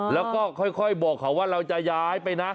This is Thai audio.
แล้วก็ค่อยบอกเขาว่าเราจะย้ายไปนะ